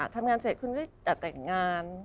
ทำงานเสร็จคุณก็จะแต่งงาน